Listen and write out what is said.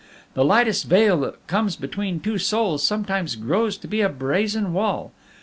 The lightest veil that comes between two souls sometimes grows to be a brazen wall.